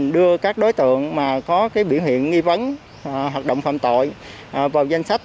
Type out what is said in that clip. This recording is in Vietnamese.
đưa các đối tượng có biện huyện nghi vấn hoạt động phạm tội vào danh sách